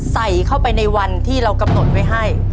ใส่เข้าไปในวันที่เรากำหนดไว้ให้